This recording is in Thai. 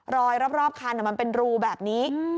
รอบคันมันเป็นรูแบบนี้